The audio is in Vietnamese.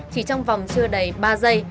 chỉ trong vòng chưa đầy ba giây